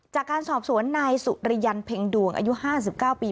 จากการสอบสวนนายสุริยันเพ็งดวงอายุ๕๙ปี